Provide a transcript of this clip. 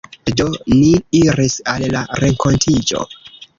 Do, ni iris al la renkontiĝo.